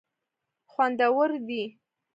خوندور دي.